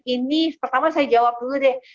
ini pertama saya jawab dulu deh